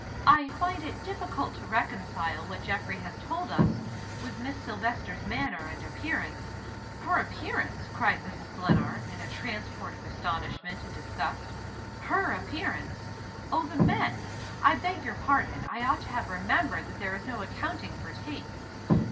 "I find it difficult to reconcile what Geoffrey has told us, with Miss Silvester's manner and appearance " "Her appearance!" cried Mrs. Glenarm, in a transport of astonishment and disgust. "Her appearance! Oh, the men! I beg your pardon I ought to have remembered that there is no accounting for tastes.